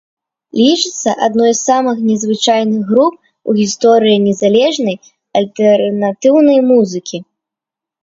Лічыцца адной з самых незвычайных груп у гісторыі незалежнай альтэрнатыўнай музыкі.